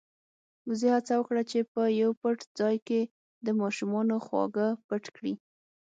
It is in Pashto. وزې هڅه وکړه چې په يو پټ ځای کې د ماشومانو خواږه پټ کړي.